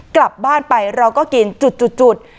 กลับบ้านไปเราก็กินจุด